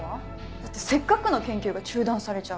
だってせっかくの研究が中断されちゃう。